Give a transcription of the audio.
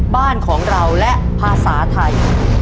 บ้านของเราและภาษาไทย